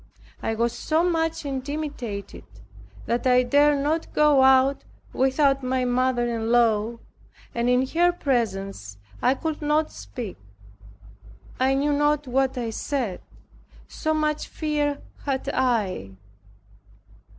I was so much intimidated, that I dared not go out without my mother in law, and in her presence I could not speak. I knew not what I said; so much fear had I.